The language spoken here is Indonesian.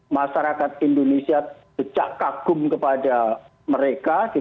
masyarakat indonesia sejak kagum kepada mereka